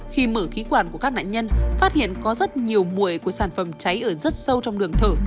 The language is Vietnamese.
khi mở khí quản của các nạn nhân phát hiện có rất nhiều mũi của sản phẩm cháy ở rất sâu trong đường thở